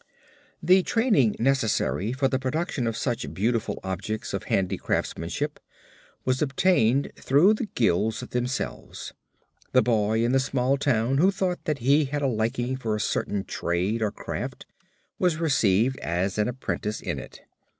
The training necessary for the production of such beautiful objects of handicraftsmanship was obtained through the guilds themselves. The boy in the small town who thought that he had a liking for a certain trade or craft was received as an apprentice in it.